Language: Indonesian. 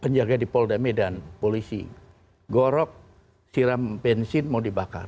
penjaga di polda medan polisi gorok siram bensin mau dibakar